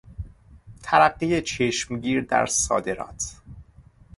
ترقی چشمگیر در صادرات